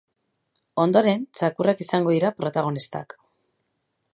Ondoren, txakurrak izango dira protagonistak.